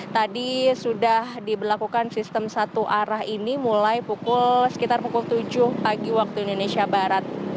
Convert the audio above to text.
tadi sudah diberlakukan sistem satu arah ini mulai sekitar pukul tujuh pagi waktu indonesia barat